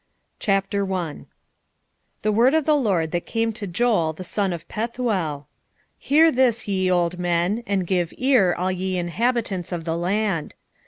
Joel 1:1 The word of the LORD that came to Joel the son of Pethuel. 1:2 Hear this, ye old men, and give ear, all ye inhabitants of the land.